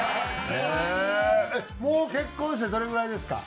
もう結婚してどれぐらいですか？